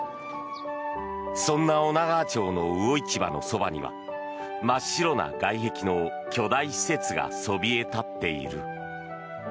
そんな女川町の魚市場のそばには真っ白な外壁の巨大施設がそびえ立っている。